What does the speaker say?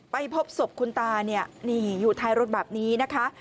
ไปพบศพคุณตานี่อยู่ท้ายรถแบบนี้นะคะ